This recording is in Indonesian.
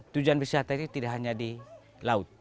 tujuan wisata ini tidak hanya di laut